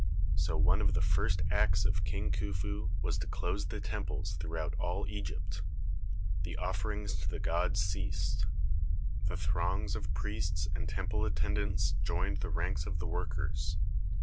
So one of the first acts of King Khufu was to close the temples throughout 8 THE SEVEN WONDERS all Egypt. The offerings to the gods ceased. The throngs of priests and temple attendants joined the ranks of the workers.